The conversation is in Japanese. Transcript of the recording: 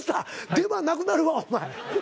出番なくなるわお前。